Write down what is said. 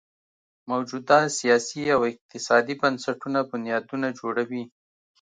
موجوده سیاسي او اقتصادي بنسټونه بنیادونه جوړوي.